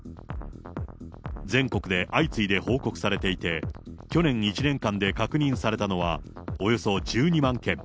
全国で相次いで報告されていて、去年１年間で確認されたのはおよそ１２万件。